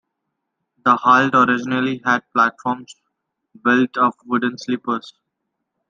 The halt originally had platforms built of wooden sleepers.